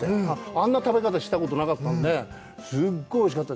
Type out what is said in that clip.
あんな食べ方、したことなかったんで、すごいおいしかった。